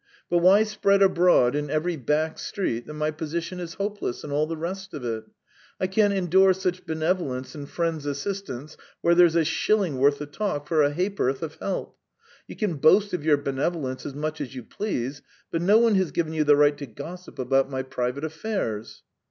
But why spread abroad in every back street that my position is hopeless, and all the rest of it? I can't endure such benevolence and friend's assistance where there's a shilling worth of talk for a ha'p'orth of help! You can boast of your benevolence as much as you please, but no one has given you the right to gossip about my private affairs!"